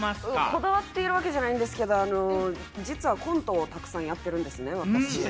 こだわっているわけじゃないんですけれども、実はコントをたくさんやってるんですね、私。